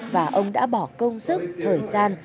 và ông đã bỏ công sức thời gian